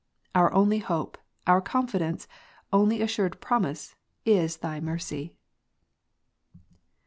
Our only hope, only confidence, ^^' only assured promise, is Thy mercy.